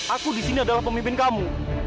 aku di sini adalah pemimpin kamu